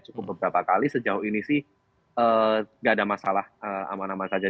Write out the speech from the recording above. cukup beberapa kali sejauh ini sih nggak ada masalah nama nama saja